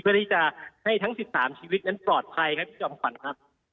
เพื่อที่จะให้ทั้ง๑๓ชีวิตนั้นปลอดภัยครับพี่จอมขวัญครับ